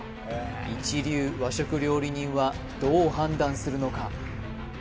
一流和食料理人はどう判断するのか？